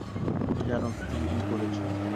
তুমি জানো তুমি কী করেছো?